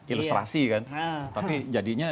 ilustrasi kan tapi jadinya